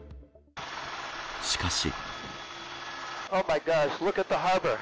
しかし。